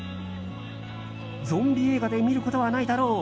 ゾンビ映画で見ることはないだろう